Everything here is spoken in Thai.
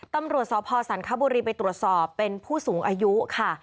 ตำรวจสพสันคบุรีไปตรวจสอบเป็นผู้สูงอายุค่ะ